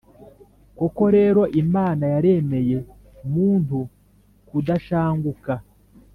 Koko rero, Imana yaremeye muntu kudashanguka,